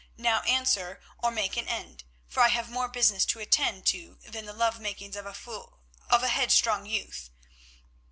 Now answer, or make an end, for I have more business to attend to than the love makings of a foo—of a headstrong youth.